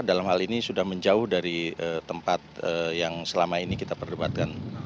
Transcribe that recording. dalam hal ini sudah menjauh dari tempat yang selama ini kita perdebatkan